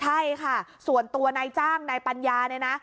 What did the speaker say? ใช่ค่ะส่วนตัวในจ้างในปัญญานี่นะ